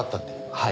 はい。